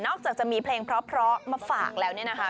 จากจะมีเพลงเพราะมาฝากแล้วเนี่ยนะคะ